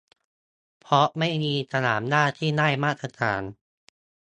เพราะไม่มีสนามหญ้าที่ได้มาตรฐาน